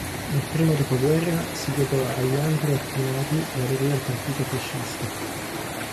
Nel primo dopoguerra si legò a Leandro Arpinati e aderì al partito fascista.